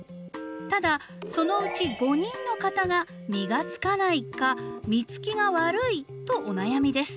ただそのうち５人の方が「実がつかない」か「実つきが悪い」とお悩みです。